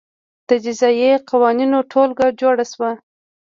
د جزايي قوانینو ټولګه جوړه شوه.